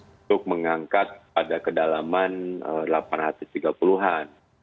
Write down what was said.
untuk mengangkat pada kedalaman delapan ratus tiga puluh an